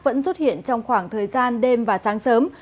vẫn xuất hiện trong khoảng thời gian đêm và sáng sớm